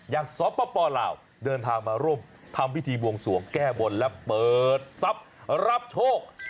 อย่างสอบป่าปอเหล่าเดินทางมาร่วมทำพิธีบวงสวงแก้บนและเปิดทรัพย์รับโชค